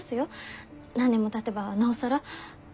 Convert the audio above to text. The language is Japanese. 何年もたてばなおさら。